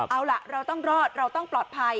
เอาล่ะเราต้องรอดเราต้องปลอดภัย